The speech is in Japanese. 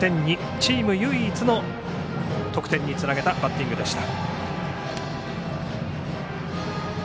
チーム唯一の得点につなげたバッティングでした。